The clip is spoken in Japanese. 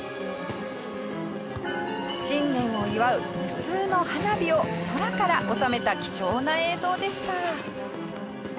新年を祝う無数の花火を空から収めた貴重な映像でした。